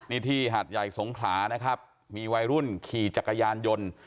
นี่ที่หาดใหญ่สงขลานะครับมีวัยรุ่นขี่จักรยานยนต์